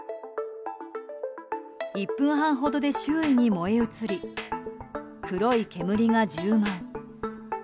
１分半ほどで周囲に燃え移り黒い煙が充満。